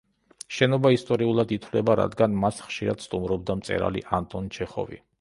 შენობა ისტორიულად ითვლება, რადგან მას ხშირად სტუმრობდა მწერალი ანტონ ჩეხოვი.